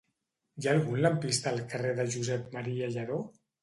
Hi ha algun lampista al carrer de Josep M. Lladó?